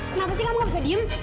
kenapa sih kamu gak bisa diem